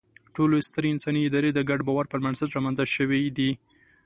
ټولې سترې انساني ادارې د ګډ باور پر بنسټ رامنځ ته شوې دي.